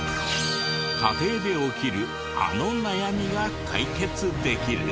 家庭で起きるあの悩みが解決できる！？